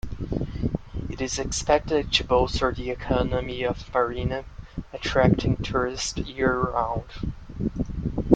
It is expected to bolster the economy of Marina, attracting tourists year-round.